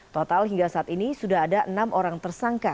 total hingga saat ini sudah ada enam orang tersangka